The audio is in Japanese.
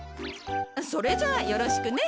それじゃあよろしくね。